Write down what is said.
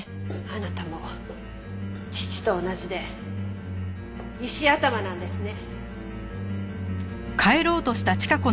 あなたも父と同じで石頭なんですね。